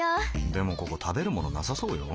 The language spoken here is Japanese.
でもここ食べる物なさそうよ。